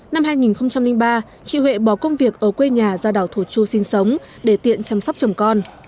năm hai nghìn ba chị huệ bỏ công việc ở quê nhà ra đảo thổ chu sinh sống để tiện chăm sóc chồng con